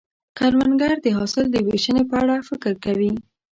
کروندګر د حاصل د ویشنې په اړه فکر کوي